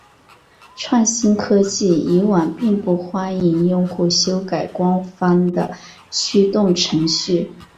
创新科技以往并不欢迎用户修改官方的驱动程序。